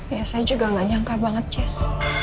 ya saya juga gak nyangka banget jazz